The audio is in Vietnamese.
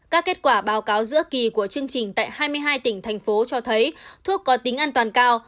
các kết quả báo cáo giữa kỳ của chương trình tại hai mươi hai tỉnh thành phố cho thấy thuốc có tính an toàn cao